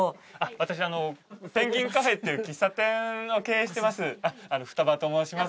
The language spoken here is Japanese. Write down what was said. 私ペンギンカフェっていう喫茶店を経営してます二羽と申します。